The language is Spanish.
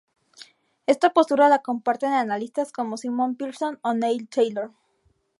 Esta postura la comparten analistas como Simon Pearson o Neil Taylor.